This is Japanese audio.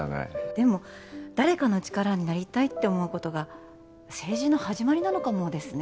でも誰かの力になりたいって思うことが政治の始まりなのかもですね。